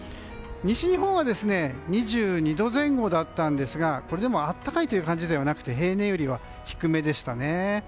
西日本は２２度前後だったんですがこれでも暖かいという感じではなくて平年よりは低めでしたね。